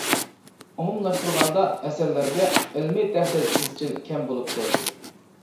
ئومۇملاشتۇرغاندا ئەسەرلەرگە ئىلمىي تەھلىل ئىزچىل كەم بولۇپ كەلدى.